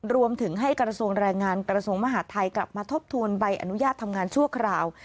รวมถึงให้กระทรวงแรงงานกระทรวงมหาดไทยกลับมาทบทวนใบอนุญาตทำงานชั่วคราว